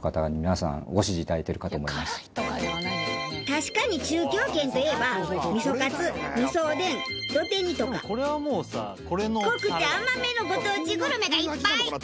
確かに中京圏といえば味噌カツ味噌おでんどて煮とか濃くて甘めのご当地グルメがいっぱい！